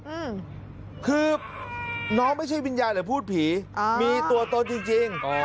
อืมคือน้องไม่ใช่วิญญาณหรือพูดผีอ่ามีตัวตนจริงจริงอ๋อ